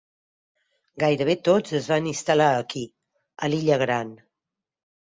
Gairebé tots es van instal·lar aquí a l'illa Gran.